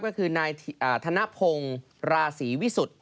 ก็คือนายธนพงศ์ราศีวิสุทธิ์